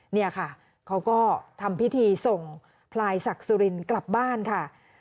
เนี่ยค่ะเขาก็ทำพิธีส่งพลายศักดิ์สุรินกลับบ้านค่ะ